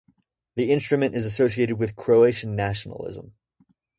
The instrument is associated with Croatian nationalism.